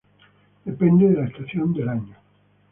Depende de la estación del año.